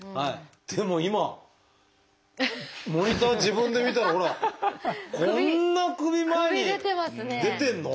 でも今モニター自分で見たらほらこんな首前に出てるの？